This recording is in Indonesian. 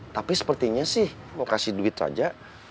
tapi sepertinya sih mau kasih duit saja